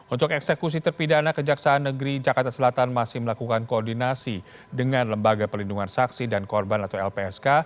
untuk eksekusi terpidana kejaksaan negeri jakarta selatan masih melakukan koordinasi dengan lembaga pelindungan saksi dan korban atau lpsk